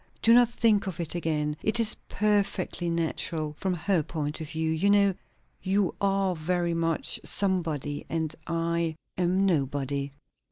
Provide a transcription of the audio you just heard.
"Do not think of it again. It is perfectly natural, from her point of view. You know, you are very much Somebody; and I am Nobody."